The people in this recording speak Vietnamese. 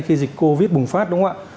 khi dịch covid bùng phát đúng không ạ